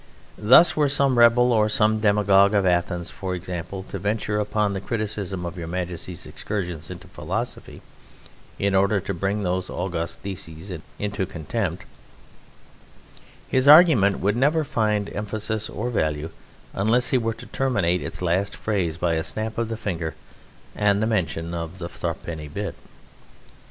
Thus were some rebel or some demagogue of Athens (for example) to venture upon the criticism of Your Majesty's excursions into philosophy, in order to bring those august theses into contempt, his argument would never find emphasis or value unless he were to terminate its last phrase by a snap of the fingers and the mention of a thruppenny bit.